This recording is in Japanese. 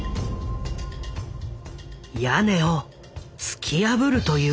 屋根を突き破るというのだ。